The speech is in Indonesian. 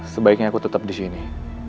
sebaiknya aku tetep disini